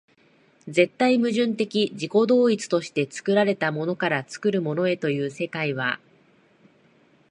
絶対矛盾的自己同一として作られたものから作るものへという世界は、